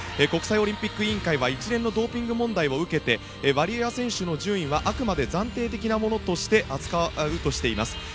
国際オリンピック委員会は一連のドーピング問題を受けてワリエワ選手の順位はあくまで暫定的なものとして扱うとしています。